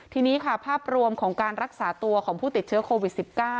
ทีนี้ค่ะภาพรวมของการรักษาตัวของผู้ติดเชื้อโควิด๑๙